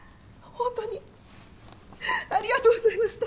ほんとにありがとうございました。